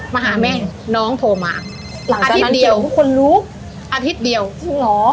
มหาแม่น้องโทรมาหลังจากนั้นเดี๋ยวทุกคนรู้อาทิตย์เดียวตรงแล้วหรอ